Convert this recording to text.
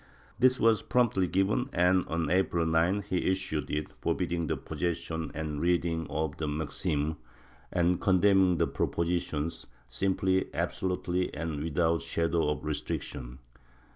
This was promptly given and, on April 9th he issued it, forbidding the possession and reading of the Maxinies, and condemning the propositions ''simply, absolutely and without a shadow of restric tion."